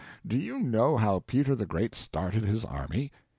Do you know how Peter the Great started his army?